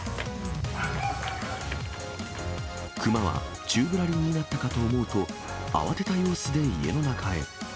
クマは宙ぶらりんになったかと思うと、慌てた様子で家の中へ。